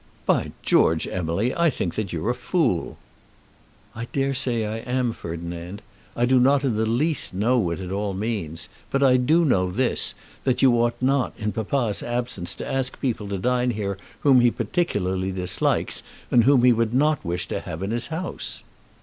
"By George, Emily, I think that you're a fool." "I dare say I am, Ferdinand. I do not in the least know what it all means. But I do know this, that you ought not, in papa's absence, to ask people to dine here whom he particularly dislikes, and whom he would not wish to have in his house."